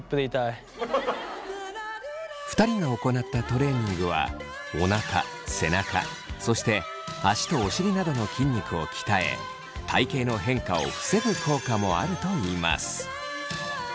２人が行ったトレーニングはおなか背中そして足とお尻などの筋肉を鍛え体型の変化を防ぐ効果もあるといいます。